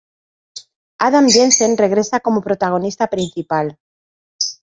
Adam Jensen regresa como protagonista principal.